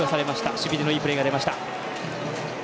守備でのいいプレーが出ました。